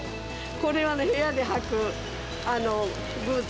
これはね、部屋で履くブーツ。